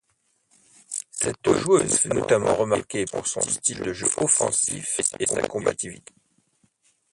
Cette joueuse fut notamment remarquée pour son style de jeu offensif et sa combativité.